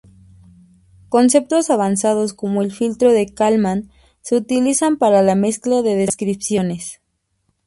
Conceptos avanzados como el filtro de Kalman se utilizan para la mezcla de descripciones.